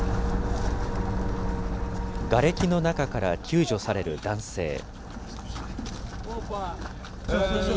がれきの中から救助される男性。